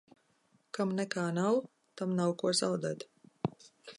Kam nekā nav, tam nav ko zaudēt.